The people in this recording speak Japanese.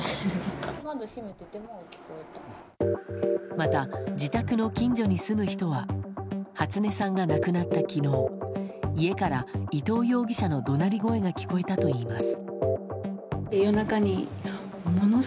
また、自宅の近所に住む人は初音さんが亡くなった昨日家から伊藤容疑者の怒鳴り声が聞こえたといいます。